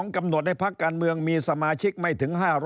กำหนดให้พักการเมืองมีสมาชิกไม่ถึง๕๐๐